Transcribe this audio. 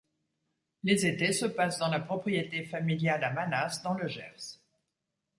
Les étés se passent dans la propriété familiale à Manas dans le Gers.